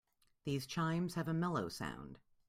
These chimes have a mellow sound.